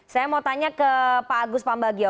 saya mau tanya ke pak agus pambagio